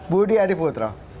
budi adi putra